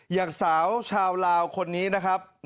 อย่างเธอกับชาวที่ลาว